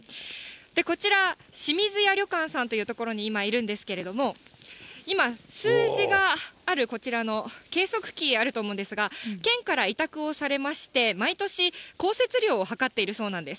こちら、清水屋旅館さんという所に今いるんですけれども、今、数字があるこちらの計測器、あると思うんですが、県から委託をされまして、毎年、降雪量をはかっているそうなんです。